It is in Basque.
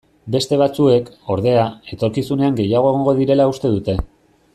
Beste batzuek, ordea, etorkizunean gehiago egongo direla uste dute.